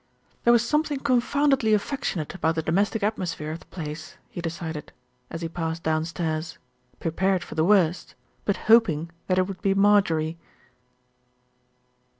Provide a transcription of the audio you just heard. There was something confoundedly affectionate about the domestic atmosphere of the place, he decided, as he passed downstairs, prepared for the worst; but hoping that it would be Marjorie.